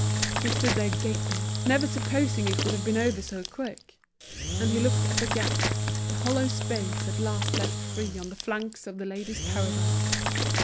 He stood there gaping, never supposing it would have been over so quick. And he looked at the gap, the hollow space at last left free on the flanks of The Ladies' Paradise.